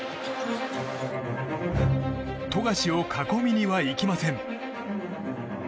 富樫を囲みには行きません。